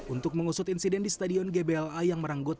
untuk mengusut insiden di stadion gbl a yang meranggut